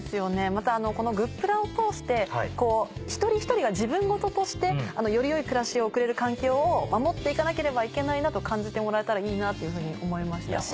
またこの「＃グップラ」を通して一人一人が自分事としてより良い暮らしを送れる環境を守っていかなければいけないなと感じてもらえたらいいなっていうふうに思いましたし